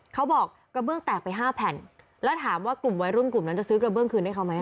เขาบอกกระเบื้องแตกไปห้าแผ่นแล้วถามว่ากลุ่มวัยรุ่นกลุ่มนั้นจะซื้อกระเบื้องคืนให้เขาไหม